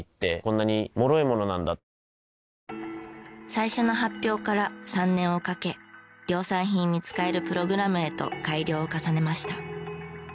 最初の発表から３年をかけ量産品に使えるプログラムへと改良を重ねました。